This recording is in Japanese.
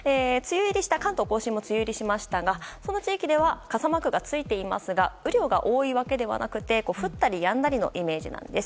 関東・甲信も梅雨入りしましたがその地域では傘マークがついていますが雨量が多いわけではなくて降ったりやんだりのイメージなんです。